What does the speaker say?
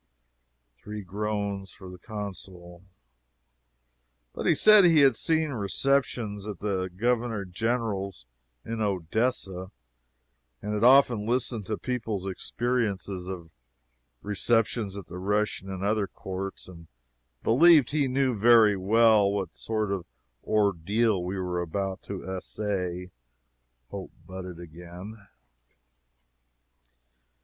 (Three groans for the Consul.) But he said he had seen receptions at the Governor General's in Odessa, and had often listened to people's experiences of receptions at the Russian and other courts, and believed he knew very well what sort of ordeal we were about to essay. (Hope budded again.)